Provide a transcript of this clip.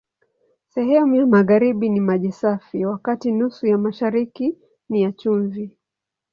Sehemu ya magharibi ni maji safi, wakati nusu ya mashariki ni ya chumvi.